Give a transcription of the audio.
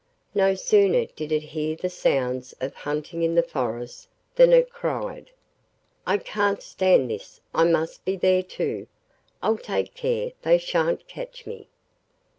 No sooner did it hear the sounds of hunting in the forest than it cried: 'I can't stand this, I must be there too; I'll take care they shan't catch me.